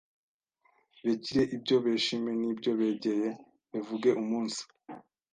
begire ibyo beshime n’ibyo begeye bevuge umunsi